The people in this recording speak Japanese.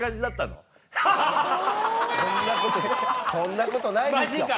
そんなことないですよ。